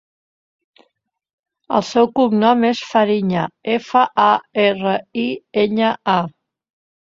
El seu cognom és Fariña: efa, a, erra, i, enya, a.